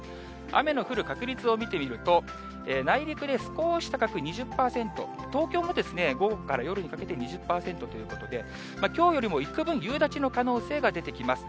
雨の降る確率を見てみると、内陸で少し高く２０％、東京も午後から夜にかけて２０％ということで、きょうよりもいくぶん夕立の可能性が出てきます。